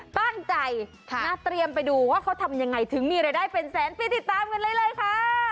ตั้งใจนะเตรียมไปดูว่าเขาทำยังไงถึงมีรายได้เป็นแสนไปติดตามกันเลยค่ะ